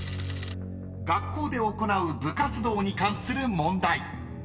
［学校で行う部活動に関する問題］